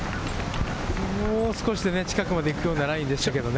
もう少しで近くまで行くライでしたけれどもね。